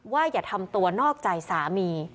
อย่าทำตัวนอกใจสามี